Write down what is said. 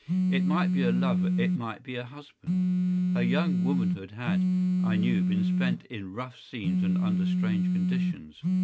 It might be a lover; it might be a husband. Her young womanhood had, I knew, been spent in rough scenes and under strange conditions.